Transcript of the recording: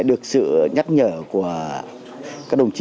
được sự nhắc nhở của các đồng chí